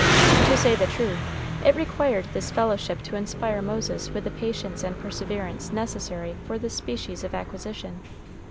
To say the truth, it required this fellowship to inspire Moses with the patience and perseverance necessary for this species of acquisition.